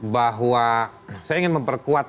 bahwa saya ingin memperkuat